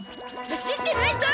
走ってないゾ！